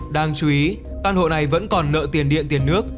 đáng chú ý căn hộ này vẫn còn nợ tiền điện tiền nước